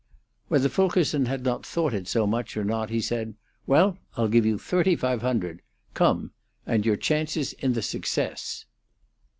Whether Fulkerson had not thought it so much or not, he said: "Well, I'll give you thirty five hundred. Come! And your chances in the success."